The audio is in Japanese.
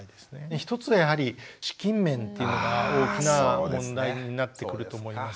一つはやはり資金面っていうのが大きな問題になってくると思います。